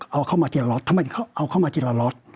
เอาเข้ามาทีละล็อตถ้ามันเอาเข้ามาทีละล็อต